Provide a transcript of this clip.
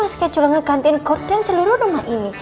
kan hari ini mas kiki sudah ngegantiin korden seluruh rumah ini